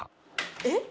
えっ？